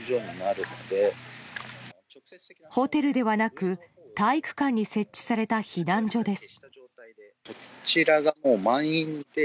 ホテルではなく体育館に設置された避難所です。